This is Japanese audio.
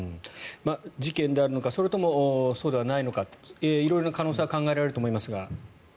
事件であるのかそれともそうではないのか色々な可能性が考えられると思いますが。